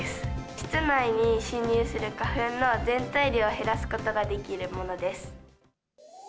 室内に侵入する花粉の全体量を減らすことができるものです。